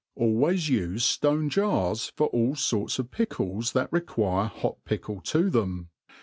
ALWAYS ufe ftonc jars for all forts of pickles that re* ^uire hot .pickle to tbem.